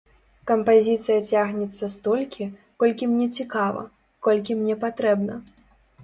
Кампазіцыя цягнецца столькі, колькі мне цікава, колькі мне патрэбна.